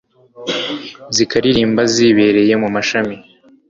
zikaririmba zibereye mu mashami